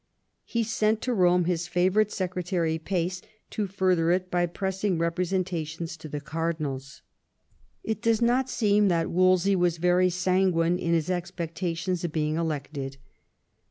He sent to Eome his favourite secretary Pace to further it by pressing representations to the cardinals. It does not seem that Wolsey was very sanguine in his expectations of being elected.